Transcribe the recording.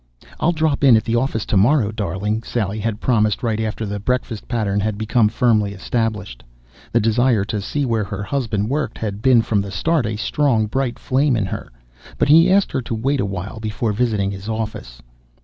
"I'll drop in at the office tomorrow, darling!" Sally had promised right after the breakfast pattern had become firmly established. The desire to see where her husband worked had been from the start a strong, bright flame in her. But he asked her to wait a while before visiting his office.